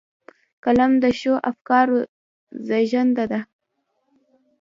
قلم د ښو افکارو زېږنده ده